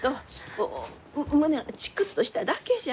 こう胸がチクッとしただけじゃ。